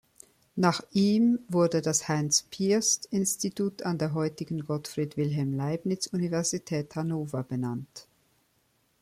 Nach ihm wurde das Heinz-Piest-Institut an der heutigen Gottfried Wilhelm Leibniz Universität Hannover benannt.